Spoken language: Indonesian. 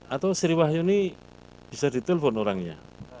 atau sri wahyuni bisa ditelepon orangnya